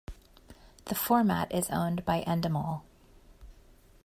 The format is owned by Endemol.